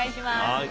はい。